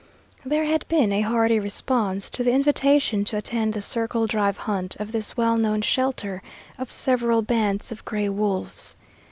There had been a hearty response to the invitation to attend the circle drive hunt of this well known shelter of several bands of gray wolves.